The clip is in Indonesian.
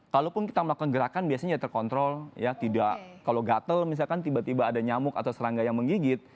kalaupun kita melakukan gerakan biasanya ya terkontrol ya tidak kalau gatel misalkan tiba tiba ada nyamuk atau serangga yang menggigit